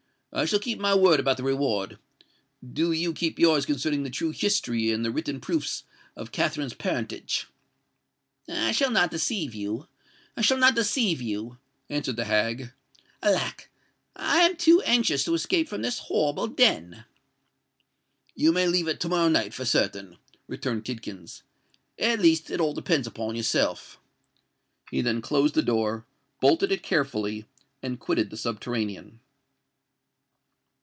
I shall keep my word about the reward—do you keep yours concerning the true history and the written proofs of Katherine's parentage." "I shall not deceive you—I shall not deceive you," answered the hag. "Alack! I am too anxious to escape from this horrible den." "You may leave it to morrow night for certain," returned Tidkins: "at least, it all depends on yourself." He then closed the door, bolted it carefully, and quitted the subterranean.